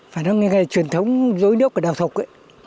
phải nói như cái truyền thống dối nước của đào thục ấy